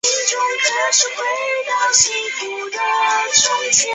四名小孩必须得协助推翻他邪恶叔叔米拉兹的暴政统治。